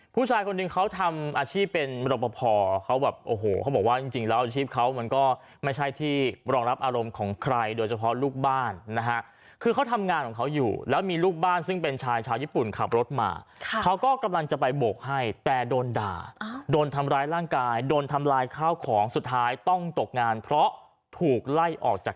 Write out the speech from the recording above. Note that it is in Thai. ผู้ชายคนหนึ่งเขาทำอาชีพเป็นรบพอเขาแบบโอ้โหเขาบอกว่าจริงแล้วอาชีพเขามันก็ไม่ใช่ที่รองรับอารมณ์ของใครโดยเฉพาะลูกบ้านนะฮะคือเขาทำงานของเขาอยู่แล้วมีลูกบ้านซึ่งเป็นชายชาวญี่ปุ่นขับรถมาเขาก็กำลังจะไปโบกให้แต่โดนด่าโดนทำร้ายร่างกายโดนทำลายข้าวของสุดท้ายต้องตกงานเพราะถูกไล่ออกจาก